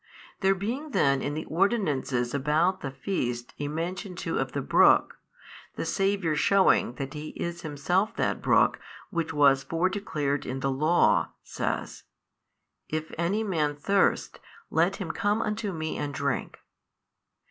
There being then in the ordinances about the feast a mention too of the brook, the Saviour shewing that He is Himself that brook which was fore declared in the Law, says, If any man thirst, let him come unto Me and drink.